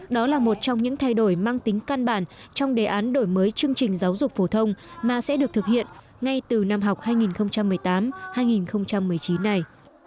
đó là một trong những thay đổi mang tính căn bản trong đề án đổi mới chương trình giáo dục phổ thông mà sẽ được thực hiện ngay từ năm học hai nghìn một mươi tám hai nghìn một mươi chín này